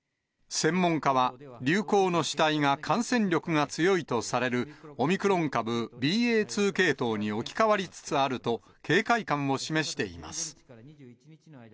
専門家は、流行の主体が感染力が強いとされるオミクロン株ＢＡ．２系統に置き換わりつつあると警戒感を示しています。